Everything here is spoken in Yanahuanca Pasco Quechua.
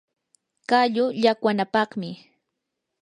qallu llaqwanapaqmi